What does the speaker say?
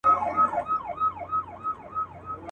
چي د کابل ګرېوان ته اور توی که.